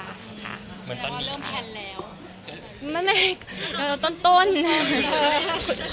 เหมือนตอนนี้ค่ะ